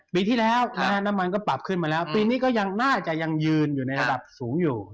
ปีที่แล้วน้ำมันก็ปรับขึ้นมาแล้วปีนี้ก็ยังน่าจะยังยืนอยู่ในระดับสูงอยู่